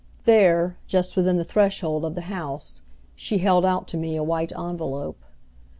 There, just within the threshold of the house, she held out to me a white envelope.